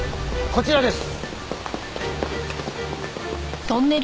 こちらです。